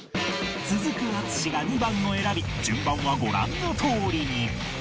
続く淳が２番を選び順番はご覧のとおりに